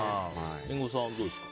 リンゴさんはどうですか？